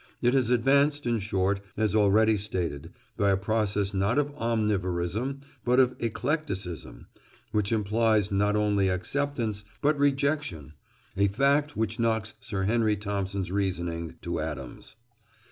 It has advanced, in short, as already stated, by a process not of omnivorism, but of eclecticism, which implies not only acceptance, but rejection—a fact which knocks Sir Henry Thompson's reasoning to atoms.